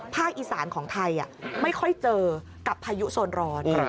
อีสานของไทยไม่ค่อยเจอกับพายุโซนร้อน